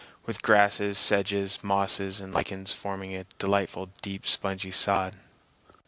with grasses, sedges, mosses, and lichens, forming a delightful deep spongy sod.